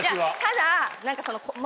ただ。